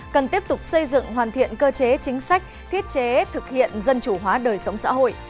cần tiếp tục xây dựng hoàn thiện cơ chế chính sách thiết chế thực hiện dân chủ hóa đời sống xã hội